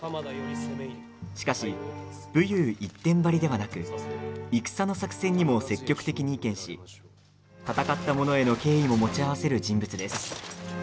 しかし武勇一点張りではなく戦の作戦にも積極的に意見し戦ったものへの敬意も持ち合わせる人物です。